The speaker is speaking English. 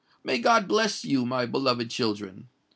May God bless you, my beloved children!